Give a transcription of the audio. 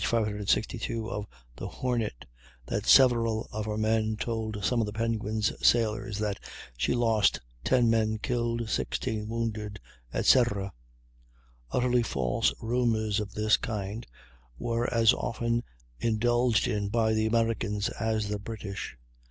562) of the Hornet, that several of her men told some of the Penguin's sailors that she lost 10 men killed, 16 wounded, etc. Utterly false rumors of this kind were as often indulged in by the Americans as the British.